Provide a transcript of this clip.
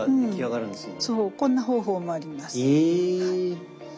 うんそうこんな方法もあります。